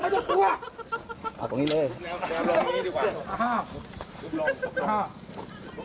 พีชได้เข้ากลังเราได้แล้ว